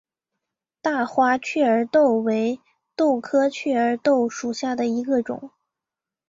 大花雀儿豆为豆科雀儿豆属下的一个种。